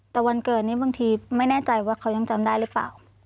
แต่วันเกิดนี้บางทีไม่แน่ใจว่าเขายังจำได้หรือเปล่า